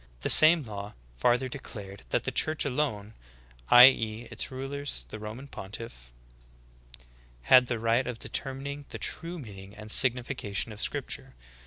The same law farther declared that the church alone (i. e. its ruler, the Roman pontiff) had the right of determining the true meaning and signification of scripture.